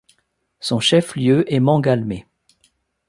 Son chef-lieu est Mangalmé.